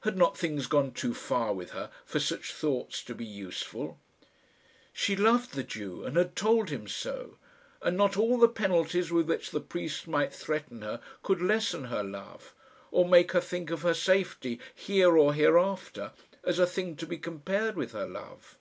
Had not things gone too far with her for such thoughts to be useful? She loved the Jew, and had told him so; and not all the penalties with which the priests might threaten her could lessen her love, or make her think of her safety here or hereafter, as a thing to be compared with her love.